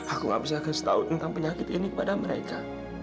aku gak bisa kasih tahu tentang penyakit ini kepada mereka